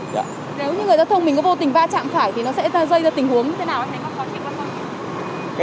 nếu như người giao thông mình có vô tình va chạm phải thì nó sẽ rơi ra tình huống như thế nào hay không